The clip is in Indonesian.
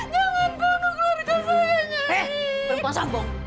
hei perempuan sambong